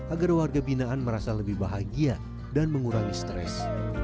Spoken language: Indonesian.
agar warga binaan merasa lebih bahagia dan mengurangi stres